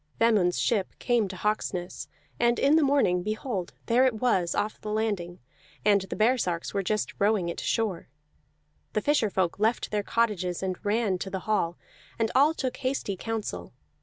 Vemund's ship came to Hawksness; and in the morning, behold, there it was off the landing, and the baresarks were just rowing it to shore. The fisher folk left their cottages and ran to the hall, and all took hasty counsel.